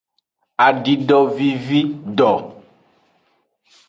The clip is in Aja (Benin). Adidovivido.